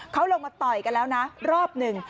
เขาลงมาต่อยกันแล้วนะรอบหนึ่ง